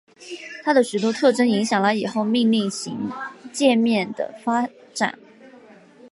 它的许多特征影响了以后命令行界面的发展。